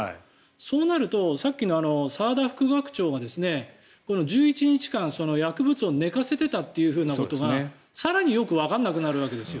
そうなるとさっきの澤田副学長が１１日間薬物を寝かせてたということが更によくわからなくなるわけです。